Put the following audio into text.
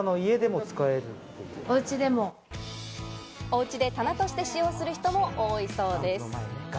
おうちで棚として使用する人も多いそうです。